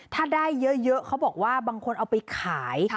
ถ้าได้เยอะเขาบอกว่าบางคนเอาไปขาย